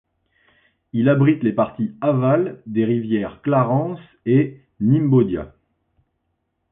Il abrite les parties aval des rivières Clarence et Nymbodia.